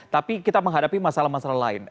tapi kita menghadapi masalah masalah lain